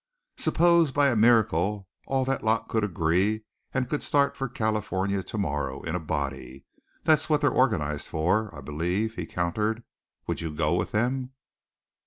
"Suppose, by a miracle, all that lot could agree, and could start for California to morrow, in a body that's what they are organized for, I believe," he countered "would you go with them?"